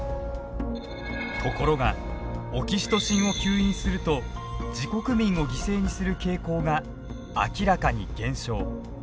ところがオキシトシンを吸引すると自国民を犠牲にする傾向が明らかに減少。